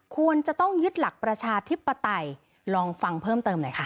ควรจะต้องยึดหลักประชาธิปไตยลองฟังเพิ่มเติมหน่อยค่ะ